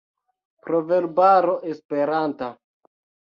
Proverbaro esperanta.